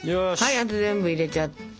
あと全部入れちゃったら。